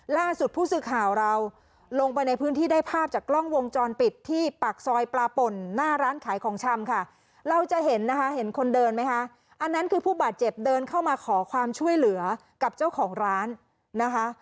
ล่าสุดผู้สื่อข่าวเราลงไปในพื้นที่ได้ภาพจากกล้องวงจรปิดที่ปากซอยปลาป่นหน้าร้านขายของชำค่ะเราจะเห็นนะคะเห็นคนเดินไหมคะอันนั้นคือผู้บาดเจ็บเดินเข้ามาขอความช่วยเหลือกับเจ้าของร้านนะคะ